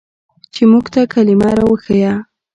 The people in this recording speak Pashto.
چې موږ ته کلمه راوښييه.